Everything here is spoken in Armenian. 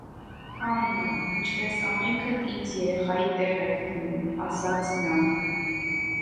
Աննա, ինչպես ամենքդ ինձ երեխայի տեղ եք դնում,- ասաց նա: